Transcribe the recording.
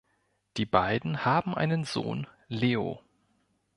Die beiden haben einen Sohn, Leo.